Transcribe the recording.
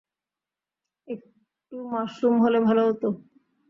একটু মাশরুম হলে ভালো হত।